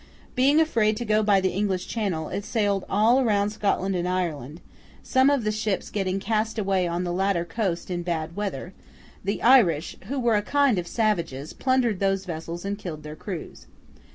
Being afraid to go by the English Channel, it sailed all round Scotland and Ireland; some of the ships getting cast away on the latter coast in bad weather, the Irish, who were a kind of savages, plundered those vessels and killed their crews.